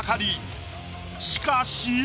しかし。